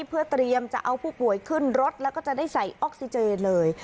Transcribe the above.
เพื่อเตรียมจะเอาผู้ป่วยขึ้นรถแล้วก็จะได้ใส่ออกซิเจนเลย